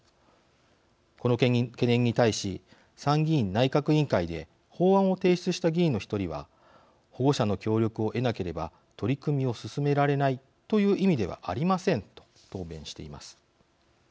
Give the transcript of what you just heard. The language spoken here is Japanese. この懸念に対し参議院内閣委員会で法案を提出した議員の一人は「保護者の協力を得なければ取り組みを進められないという意味ではありません」と答弁しています。